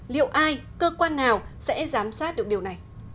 liệu ai cơ quan nào sẽ giám sát được điều này